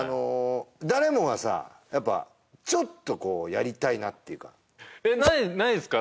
誰もがさやっぱちょっとこうやりたいなっていうかえっないですか？